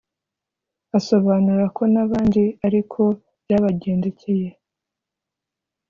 Asobanura ko n’abandi ariko byabagendekeye